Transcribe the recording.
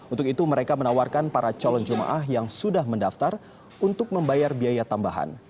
untuk itu mereka menawarkan para calon jemaah yang sudah mendaftar untuk membayar biaya tambahan